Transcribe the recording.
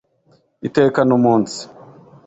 iteka n'umunsi